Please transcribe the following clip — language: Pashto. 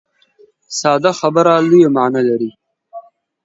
ساده خبره لویه معنا لري.